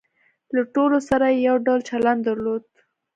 له ټولو سره یې یو ډول چلن درلود.